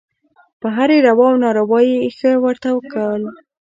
په هرې روا او ناروا یې «ښه» ورته کول.